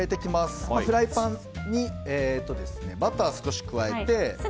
フライパンにバターを少し加えます。